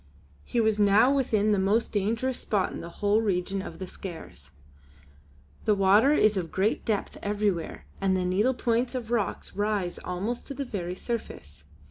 He was now within the most dangerous spot in the whole region of the Skares. The water is of great depth everywhere and the needlepoints of rocks rise almost to the very surface.